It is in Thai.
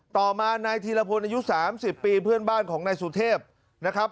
ต่อมานายธีรพลอายุ๓๐ปีเพื่อนบ้านของนายสุเทพนะครับ